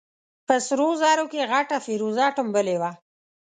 په سرو زرو کې غټه فېروزه ټومبلې وه.